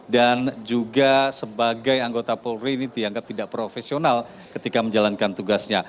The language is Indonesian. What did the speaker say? dan juga sebagai anggota polri ini dianggap tidak profesional ketika menjalankan tugasnya